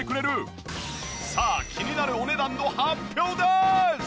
さあ気になるお値段の発表です！